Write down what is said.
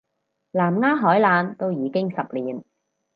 南丫海難都已經十年